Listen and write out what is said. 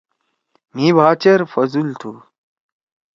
مھی بھا چیر فضول تُھو۔